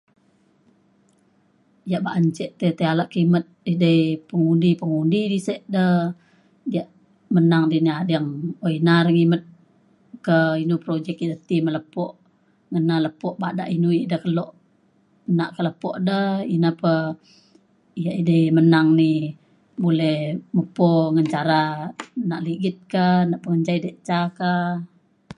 yak ba’an ce tai tai ale kimet edei pengundi pengundi di sek da diak menang di ni ading. o ina re ngimet ke inu projek ida ti me lepo. ngena lepo bada inu ida kelo nak ke lepo da. ina pa yak edei menang ni boleh mepo ngan cara nak ligit ka nak pengenjai diak ca ka.